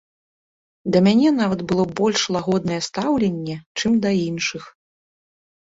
Да мяне нават было больш лагоднае стаўленне, чым да іншых.